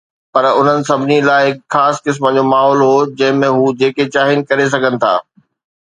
پر انهن سڀني لاءِ هڪ خاص قسم جو ماحول هو جنهن ۾ هو جيڪي چاهين ڪري سگهن ٿا.